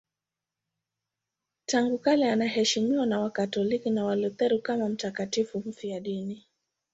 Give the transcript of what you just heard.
Tangu kale anaheshimiwa na Wakatoliki na Walutheri kama mtakatifu mfiadini.